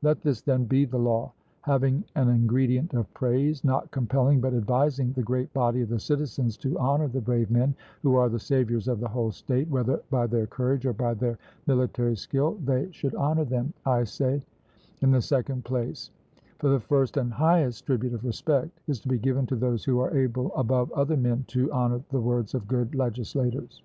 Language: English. Let this then be the law, having an ingredient of praise, not compelling but advising the great body of the citizens to honour the brave men who are the saviours of the whole state, whether by their courage or by their military skill they should honour them, I say, in the second place; for the first and highest tribute of respect is to be given to those who are able above other men to honour the words of good legislators.